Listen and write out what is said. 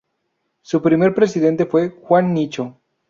Su primer presidente fue Juan Nicho.